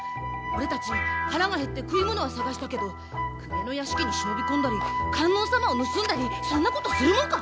俺たち腹が減って食い物は探したけど公家の屋敷に忍び込んだり観音様を盗んだりそんなことするもんか！